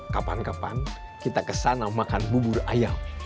kapan kapan kita kesana makan bubur ayam